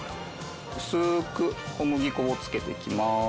薄く小麦粉を付けていきます。